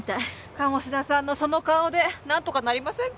鴨志田さんのその顔でなんとかなりませんか？